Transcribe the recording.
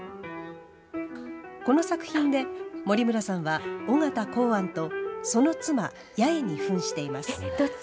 この作品で森村さんは緒方洪庵とその妻、八重にふんしています。